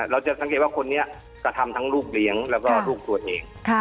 เราจะสังเกตว่าคนนี้กระทำทั้งลูกเลี้ยงแล้วก็ลูกตัวเอง